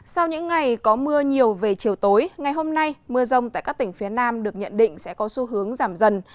sau những ngày có mưa nhiều về chiều tối ngày hôm nay mưa rông tại các tỉnh phía nam được nhận định sẽ có xu hướng giảm dần